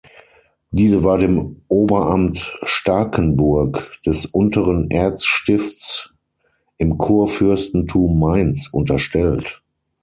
Diese war dem „Oberamt Starkenburg“ des „Unteren Erzstifts“ im „Kurfürstentum Mainz“ unterstellt.